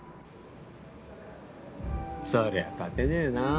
そりゃ勝てねえなぁ。